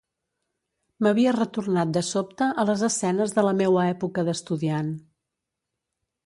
M'havia retornat de sobte a les escenes de la meua època d'estudiant.